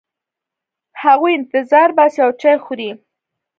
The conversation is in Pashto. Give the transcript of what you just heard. هغوی انتظار باسي او چای خوري.